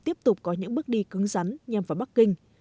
tiếp tục có những bước đi cứng rắn nhằm vào bắc kinh